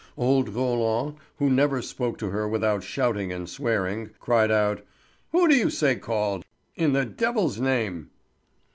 Old Roland, who never spoke to her without shouting and swearing, cried out: "Who do you say called, in the devil's name?"